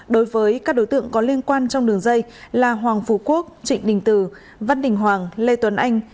đối với các đối tượng có liên quan trong đường dây là hoàng phú quốc trịnh đình từ văn đình hoàng lê tuấn anh